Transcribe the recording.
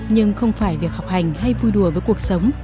nhưng không phải việc học hành hay vui đùa với cuộc sống